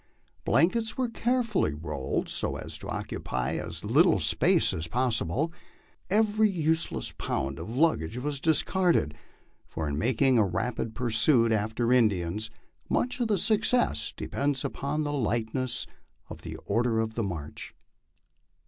Blan kets were carefully rolled so as to occupy as little space as possible ; every use less pound of luggage was discarded, for in making a rapid pursuit after In dians, much of the success depends upon the lightness of the order of march.